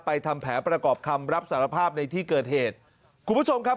ทำแผนประกอบคำรับสารภาพในที่เกิดเหตุคุณผู้ชมครับ